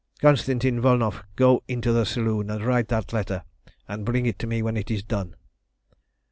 Konstantin Volnow, go into the saloon and write that letter, and bring it to me when it is done."